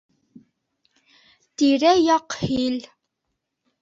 Тирә-яҡ һил.